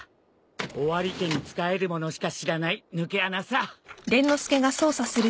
オワリ家に仕える者しか知らない抜け穴さ。